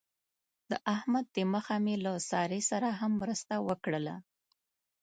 د احمد د مخه مې له سارې سره هم مرسته وکړله.